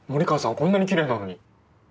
こんなにきれいなのに。